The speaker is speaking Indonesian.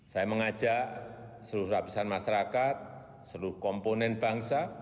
saya mengajak seluruh lapisan masyarakat seluruh komponen bangsa